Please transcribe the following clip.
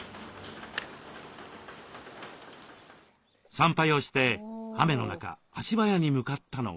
参拝をして雨の中足早に向かったのは。